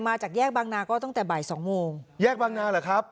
มาจากแยกบางนาก็ตั้งแต่บ่ายสองโมงแยกบางนาเหรอครับ